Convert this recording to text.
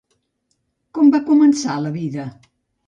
Com va començar la vida?